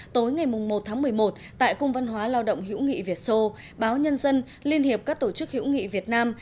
tối ngày một tháng một mươi một tại cung văn hóa lao động hữu nghị việt sô báo nhân dân liên hiệp các tổ chức hữu nghị việt nam